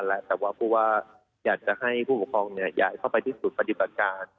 แต่ว่าผู้ว่าอยากจะให้ผู้ปกครองใหญ่เข้าไปที่ศูนย์ปฏิบัติการ